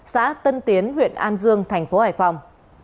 xã tân tiến huyện an dương tp hải phòng